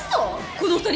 この２人を？